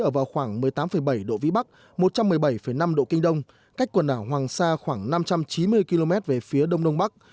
ở vào khoảng một mươi tám bảy độ vĩ bắc một trăm một mươi bảy năm độ kinh đông cách quần đảo hoàng sa khoảng năm trăm chín mươi km về phía đông đông bắc